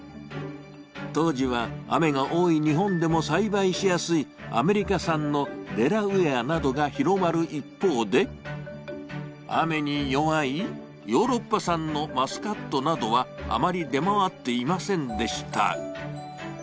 当時は、雨が多い日本でも栽培しやすいアメリカ産のデラウエアなどが広まる一方で、雨に弱いヨーロッパ産のマスカットなどはあまり出回っていませんでした。